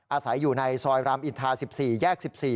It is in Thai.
อาศัยอยู่ในซอยรามอินทา๑๔แยก๑๔